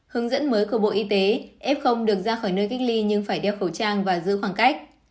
hướng dẫn mới của bộ y tế f được ra khỏi nơi cách ly nhưng phải đeo khẩu trang và giữ khoảng cách